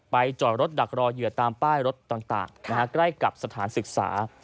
จอดรถดักรอเหยื่อตามป้ายรถต่างใกล้กับสถานศึกษา